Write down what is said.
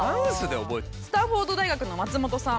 スタンフォード大学の松本さん。